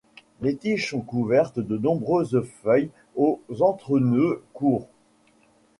Les tiges sont couvertes de nombreuses feuilles aux entrenoeuds courts.